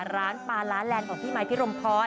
ร้านปลาล้าแลนด์ของพี่ไมค์พิรมพร